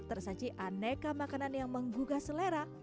tersaji aneka makanan yang menggugah selera